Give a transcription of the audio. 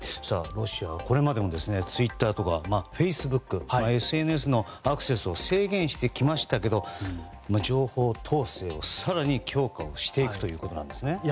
ロシアはこれまでもツイッターとかフェイスブックＳＮＳのアクセスを制限してきましたけど情報統制を更に強化していくということなんですね。